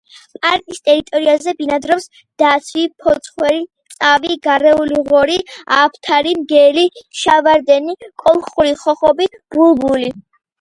პარკის ტერიტორიაზე ბინადრობს დათვი, ფოცხვერი, წავი, გარეული ღორი, აფთარი, მგელი, შავარდენი, კოლხური ხოხობი, ბულბული.